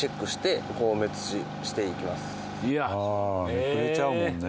めくれちゃうもんね。